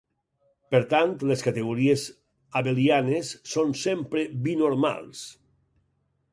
Per tant, les categories abelianes són sempre binormals.